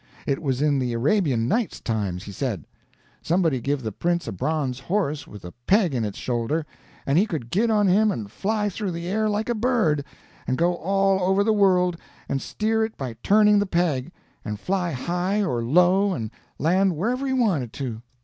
It was in the Arabian Night times, he said. Somebody give the prince a bronze horse with a peg in its shoulder, and he could git on him and fly through the air like a bird, and go all over the world, and steer it by turning the peg, and fly high or low and land wherever he wanted to.